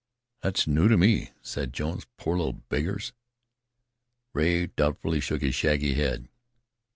"That's new to me," said Jones. "Poor little beggars!" Rea doubtfully shook his shaggy head.